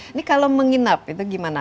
ini kalau menginap itu gimana